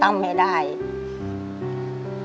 ถ้าไม่ทั้งไม่ได้ก็อด